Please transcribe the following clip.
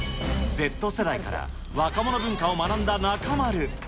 Ｚ世代から若者文化を学んだ中丸。